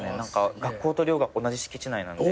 学校と寮が同じ敷地内なんで。